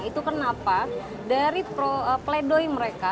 itu kenapa dari pledoi mereka